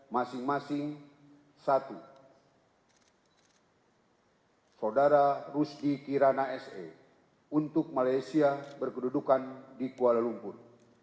masing masing satu saudara rusdi kirana se untuk malaysia berkedudukan di kuala lumpur